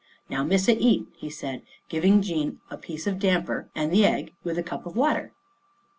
" Now Missa eat," he said, giving Jean a piece t)f damper 1 and the egg, with a cup of water.